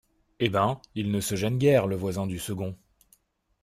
Eh ben, il ne se gêne guère, le voisin du second !